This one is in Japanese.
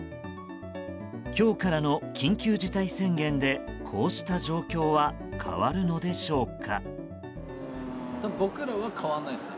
今日からの緊急事態宣言でこうした状況は変わるのでしょうか。